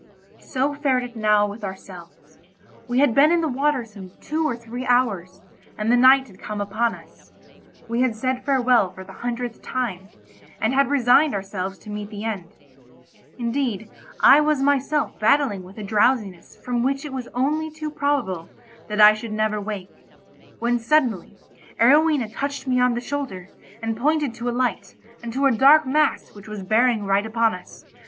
So fared it now with ourselves. We had been in the water some two or three hours, and the night had come upon us. We had said farewell for the hundredth time, and had resigned ourselves to meet the end; indeed I was myself battling with a drowsiness from which it was only too probable that I should never wake; when suddenly, Arowhena touched me on the shoulder, and pointed to a light and to a dark mass which was bearing right upon us.